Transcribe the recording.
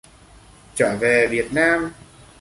Trở về Việt Nam